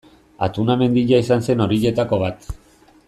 Altuna mendia izan zen horietako bat.